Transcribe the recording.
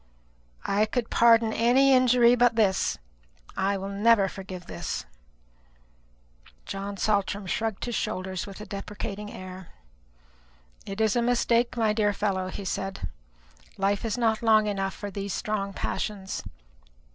"I could pardon any injury but this. I will never forgive this." John Saltram shrugged his shoulders with a deprecating air. "It is a mistake, my dear fellow," he said. "Life is not long enough for these strong passions.